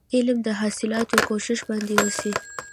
علم د حاصلولو کوښښ باید وسي.